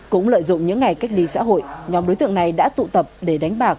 cũng lợi dụng những ngày cách ly xã hội nhóm đối tượng này đã tụ tập để đánh bạc